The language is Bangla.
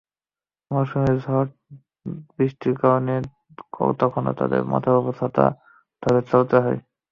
মৌসুমি ঝড়-বৃষ্টির কারণে তখনো তাঁদের মাথার ওপর ছাতা ধরে চলতে হয়।